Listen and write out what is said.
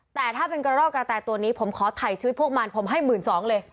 แต่ถ้าเป็นกระรอกกระแตตัวนี้ผมขอถ่ายชีวิตพวกมันผมให้๑๒๐๐เลย